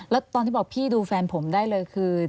แล้วตอนที่บอกพี่ดูแฟนผมได้เลยคือ